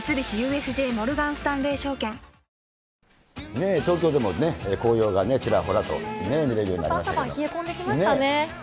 ねぇ、東京でもね、紅葉がちらほらと見れるようになりましたけど。